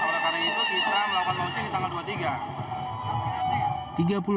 oleh karena itu kita melakukan launching di tanggal dua puluh tiga